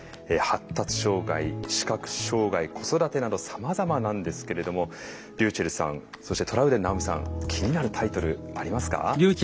発達障害視覚障害子育てなどさまざまなんですけれどもｒｙｕｃｈｅｌｌさんそしてトラウデン直美さん気になるタイトルありますか？